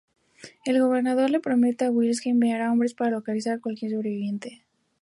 El Gobernador le promete a Welles que enviará hombres para localizar a cualquier sobreviviente.